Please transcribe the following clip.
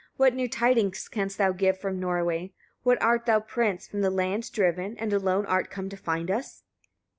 What new tidings canst thou give from Norway? Why art thou, prince! from the land driven, and alone art come to find us?